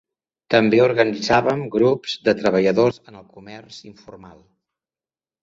També organitzaven grups de treballadors en el comerç informal.